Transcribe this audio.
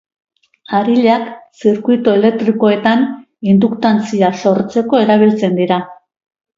Harilak zirkuitu elektrikoetan induktantzia sortzeko erabiltzen dira.